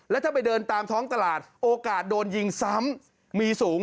แล้วถ้าไปเดินตามท้องตลาดโอกาสโดนยิงซ้ำมีสูง